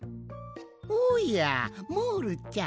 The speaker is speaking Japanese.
おやモールちゃん。